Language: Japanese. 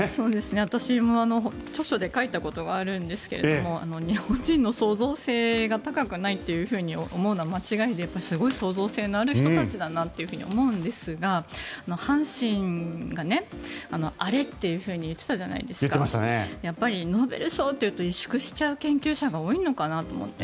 私も著書で書いたことがあるんですが日本人の創造性が高くないっていうふうに思うのは間違いですごい創造性のある人たちだなと思うんですが阪神がアレというふうに言っていたじゃないですかやっぱりノーベル賞っていうと萎縮しちゃう研究者が多いのかなと思って。